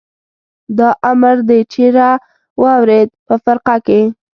دا امر دې چېرې واورېد؟ په فرقه کې.